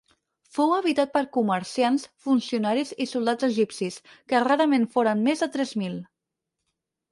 Fou habitat per comerciants, funcionaris i soldats egipcis, que rarament foren més de tres mil.